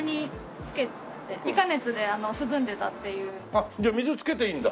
あっじゃあ水つけていいんだ？